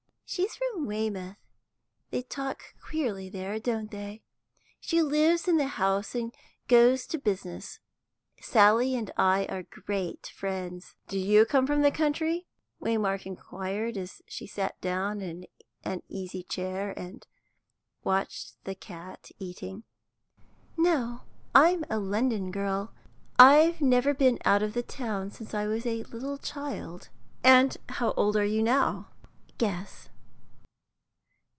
"She's from Weymouth. They talk queerly there, don't they? She lives in the house, and goes to business. Sally and I are great friends." "Do you come from the country?" Waymark inquired, as she sat down in an easy chair and watched the cat eating. "No, I'm a London girl. I've never been out of the town since I was a little child." "And how old are you now?" "Guess."